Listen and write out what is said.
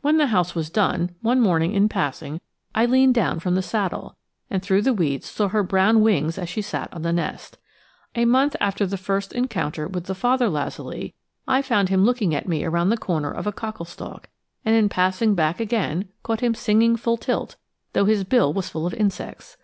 When the house was done, one morning in passing I leaned down from the saddle, and through the weeds saw her brown wings as she sat on the nest. A month after the first encounter with the father lazuli, I found him looking at me around the corner of a cockle stalk, and in passing back again caught him singing full tilt, though his bill was full of insects!